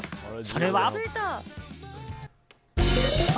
それは。